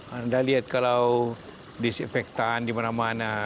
anda lihat kalau disinfektan dimana mana